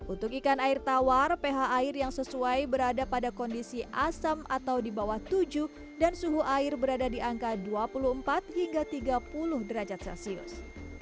untuk ikan air tawar ph air yang sesuai berada pada kondisi asam atau di bawah tujuh dan suhu air berada di angka dua puluh empat hingga tiga puluh derajat celcius